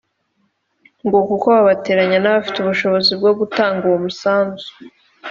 ngo kuko babateranya n’abafite ubushobozi bwo gutanga uwo musanzu